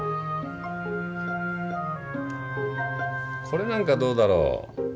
これなんかどうだろう？